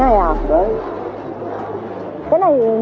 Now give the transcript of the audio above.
nó ngóng ngây kia hơn